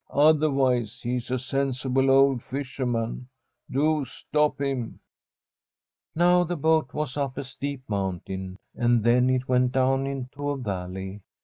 Otherwise he is a sensible old fisher man. Do stop him !* Now the boat >K*as up a steep mountain, and then it went down into a ^'alley.